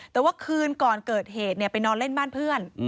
แต่ว่าคืนก่อนเกิดเหตุไปนอนเล่นบ้านเพื่อน